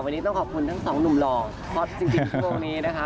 วันนี้ต้องขอบคุณทั้งสองหนุ่มหล่อฮอตจริงช่วงนี้นะคะ